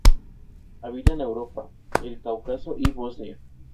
Se encuentra en las Filipinas, Indonesia y Nueva Guinea.